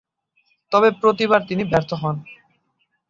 তবে প্রতিবার তিনি ব্যর্থ হন।